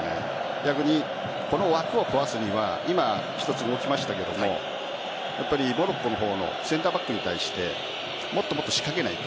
逆に、この枠を壊すには一つ動きましたがモロッコの方のセンターバックに対してもっと仕掛けないと。